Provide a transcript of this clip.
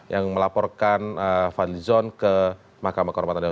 yang melaporkan fadlizon ke mahkamah korupat adama